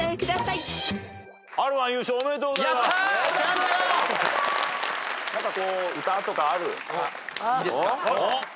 いいですか？